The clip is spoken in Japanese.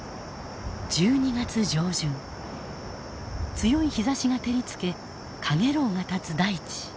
強い日ざしが照りつけかげろうが立つ大地。